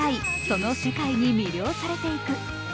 その世界に魅了されていく。